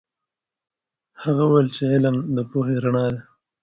هغه وویل چې علم د پوهې رڼا ده.